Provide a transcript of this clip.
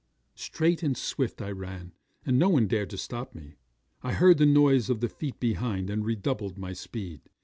'Straight and swift I ran, and no one dared to stop me. I heard the noise of the feet behind, and redoubled my speed.